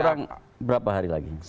kurang berapa hari lagi